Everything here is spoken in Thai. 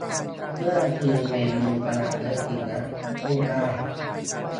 เมื่อคืนแมนยูชนะเยอะสินะ พูดได้